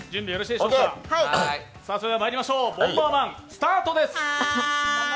まいりましょう「ボンバーマン」、スタートです。